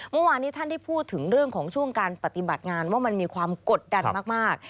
เมื่อวานนี้ท่านได้พูดถึงเรื่องของช่วงการปฏิบัติงานว่ามันมีความกดดันมาก